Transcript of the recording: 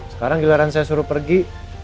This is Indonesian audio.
sekarang giliran saya suruh pergi